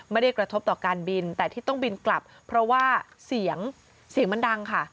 ไม่ได้กระทบต่อการบินแต่ที่ต้องบินกลับเพราะว่าเสียงเสียงมันดังค่ะ